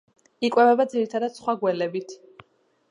იკვებება ძირითადად სხვა გველებით.